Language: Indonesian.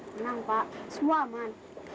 selamat pak semua aman